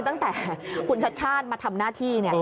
ตั้งแต่คุณชัดชาติมาทำหน้าที่